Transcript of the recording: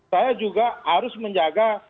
saya juga harus menjaga